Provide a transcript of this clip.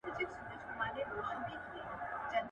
که ته غوړ خواړه وخورې نو هضم به یې ډېر وخت ونیسي.